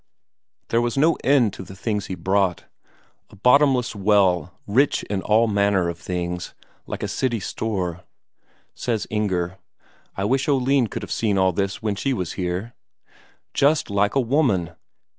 There was no end to the things he brought. A bottomless well, rich in all manner of things, like a city store. Says Inger: "I wish Oline could have seen all this when she was here." Just like a woman!